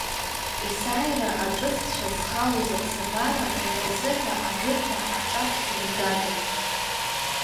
Есааира аҿыц-цәа зхалоз аԥсабара лара лзыҳәа ажәытәра аҿаԥхьа игаган.